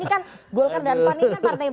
ini kan golkar dan pan ini kan partai